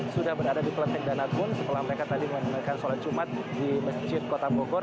sudah berada di kelenteng dan agun setelah mereka tadi menggunakan sholat cumat di masjid kota bogor